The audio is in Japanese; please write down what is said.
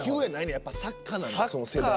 やっぱサッカーなんやその世代は。